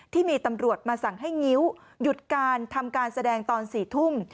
ที่มีตำรวจมาสั่งให้งิ้วหยุดการทำการแสดงตอน๔ทุ่ม